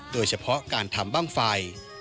โดยเฉพาะการทำบ้างไฟ